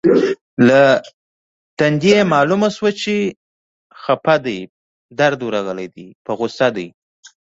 له تندو یې مالومه شوه چې غصه دي.